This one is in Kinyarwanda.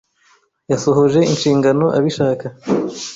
Yasohoje inshingano abishaka.